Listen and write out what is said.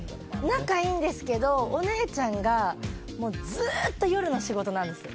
仲は良いんですけどお姉ちゃんがずっと夜の仕事なんですよ。